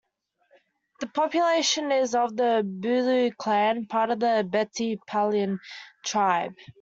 The population is of the Bulu clan, part of the Beti-Pahuin tribe.